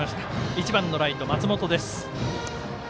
１番のライト、松本です。